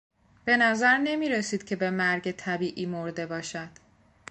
به نظر نمیرسید که به مرگ طبیعی مرده باشد.